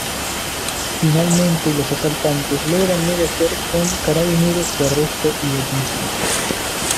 Finalmente los asaltantes logran negociar con Carabineros su arresto y detención.